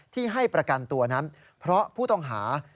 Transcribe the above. ที่ให้ประกันตัวนั้นเพราะผู้ต้องหา